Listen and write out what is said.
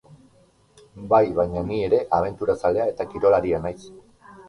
Bai, baina ni ere abenturazalea eta kirolaria naiz.